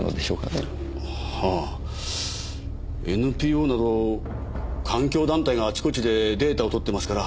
はぁＮＰＯなど環境団体があちこちでデータを取ってますから。